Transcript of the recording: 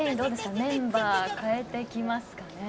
メンバー、代えてきますかね。